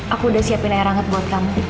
aku udah siapin air hangat buat kamu